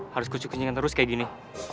harus kucing kucingan terus kayak gini